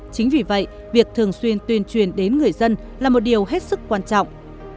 chính vì vậy việc thường xuyên tuyên truyền đến người dân là một điều hết sức quan trọng